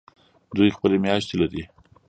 دوی خپلې میاشتې لري.